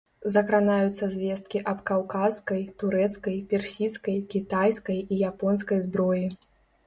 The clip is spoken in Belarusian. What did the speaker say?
Закранаюцца звесткі аб каўказскай, турэцкай, персідскай, кітайскай і японскай зброі.